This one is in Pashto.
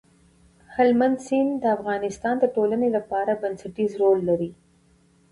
هلمند سیند د افغانستان د ټولنې لپاره بنسټيز رول لري.